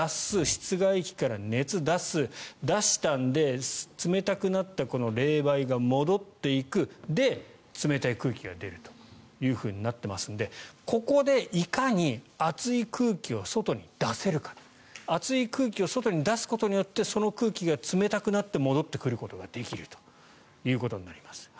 室外機から熱を出す出したので冷たくなったこの冷媒が戻っていくで、冷たい空気が出るというふうになってますのでここでいかに熱い空気を外に出せるか熱い空気を外に出すことによってその空気が冷たくなって戻ってくることができるということになります。